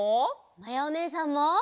まやおねえさんも。